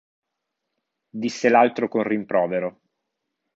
Disse l'altro con rimprovero.